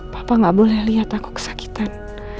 papa gak boleh lihat aku kesakitan